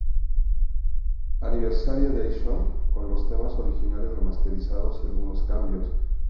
Anniversary Edition, con los temas originales remasterizado y algunos cambios.